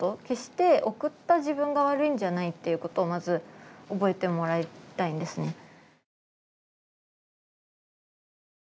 決して送った自分が悪いんじゃないっていうことをまず覚えてもらいたいんですね。